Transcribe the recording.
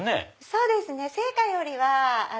そうですね生花よりは。